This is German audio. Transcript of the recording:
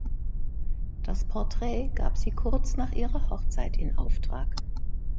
Das Porträt gab sie kurz nach ihrer Hochzeit in Auftrag.